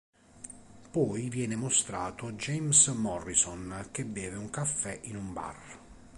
Poi viene mostrato James Morrison che beve un caffè in un bar.